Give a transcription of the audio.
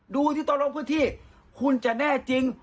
ดูที่ตอนลงพื้นที่คุณจะแน่จริง